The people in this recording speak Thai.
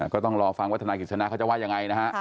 ก็ต้องรอฟังว่าธนายกิจสนาเขาจะว่ายังไงนะฮะ